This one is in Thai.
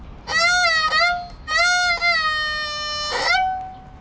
สวัสดีครับ